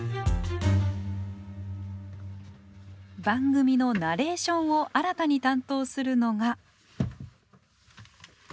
番組のナレーションを新たに担当するのが。